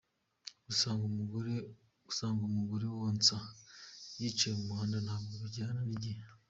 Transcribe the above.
Gusanga umugore yonsa yicaye mu muhanda ntabwo bijyanye n’igihe.